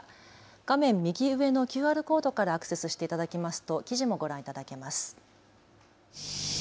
画面右上のＱＲコードからアクセスしていただきますと記事もご覧いただけます。